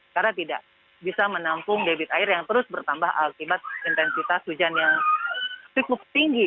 karena tidak bisa menampung debit air yang terus bertambah akibat intensitas hujan yang cukup tinggi